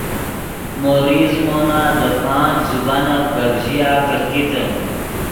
مو ریز زیمونہ دے پانچ زبانف گپ ژیا کرکیتے